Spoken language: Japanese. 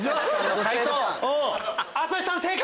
朝日さん正解！